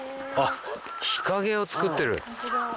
あっ日陰をつくってる。